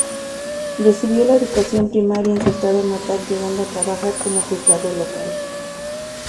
Recibió la educación primaria en su estado natal llegando a trabajar como juzgado local.